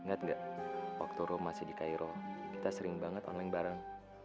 engat nggak a waktu rom masih di cairo kita sering banget on link bareng